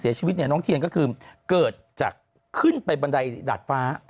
เสียชีวิตเนี่ยน้องเทียนก็คือเกิดจากขึ้นไปบันไดดาดฟ้า